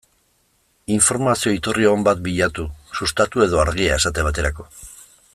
Informazio iturri on bat bilatu, Sustatu edo Argia esate baterako.